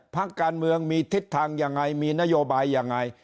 พักการเมืองมีทิศทางยังไงมีนโยบายยังไง